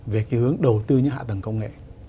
về cái hướng đầu tư những hạ tầng công nghệ